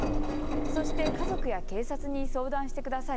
そして家族や警察に相談してください。